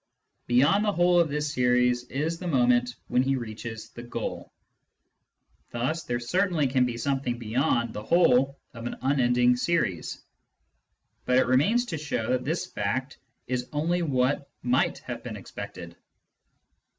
Beyond the whole of this series is the moment when he reaches the goal. Thus there certainly can be something beyond the whole of an unending series. But it remains to show that this fact is only what might have been expected.